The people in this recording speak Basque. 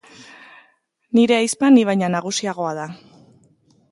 Nire ahizpa ni baino nagusiagoa da